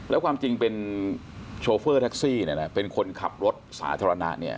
แล้วความจริงการเป็นโชเฟอร์เท็กซี่เป็นคนขับรถสาธารณะ